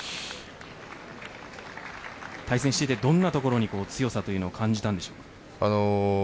対戦していてどんなところに強さというのを感じたんですか？